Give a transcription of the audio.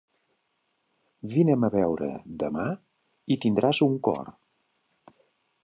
Vine'm a veure demà i tindràs un cor.